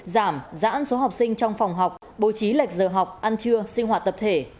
giảm giãn số học sinh trong phòng học bố trí lệch giờ học ăn trưa sinh hoạt tập thể